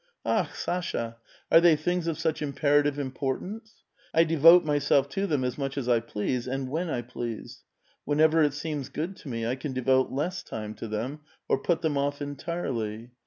".4A;/i, Sasha, are they things of such imperative impor tance ? I devote myself to them as much as I please, and when I please. Whenever it seems good to me, I can devote less time to them, or put them off entirely.